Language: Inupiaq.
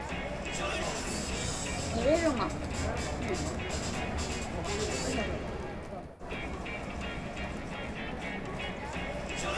Niġiruŋa.